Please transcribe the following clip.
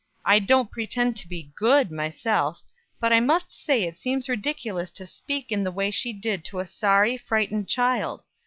I don't pretend to be good myself; but I must say it seems ridiculous to speak in the way she did to a sorry, frightened child.